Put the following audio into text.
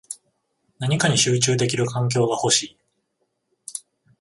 何かに集中できる環境が欲しい